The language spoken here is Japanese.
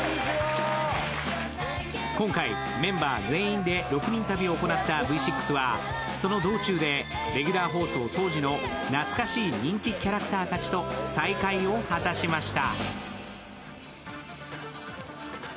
今回メンバー全員で６人旅を行ったＶ６はその道中でレギュラー放送当時の懐かしい人気キャラクターたちと再会を果たしました。